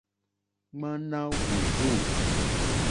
Ŋwáná wùrzû.